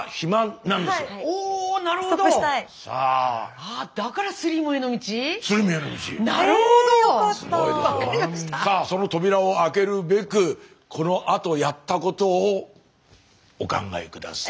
さあその扉を開けるべくこのあとやったことをお考え下さい。